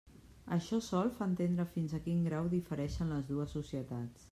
Això sol fa entendre fins a quin grau difereixen les dues societats.